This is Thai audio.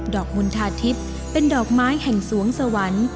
อกมณฑาทิพย์เป็นดอกไม้แห่งสวงสวรรค์